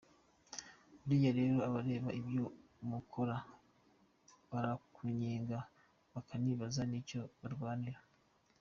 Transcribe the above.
Buriya rero abareba ibyo umukora barakunnyega bakanibaza n’icyo barwanira!